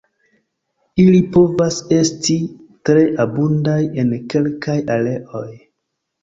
Ili povas esti tre abundaj en kelkaj areoj.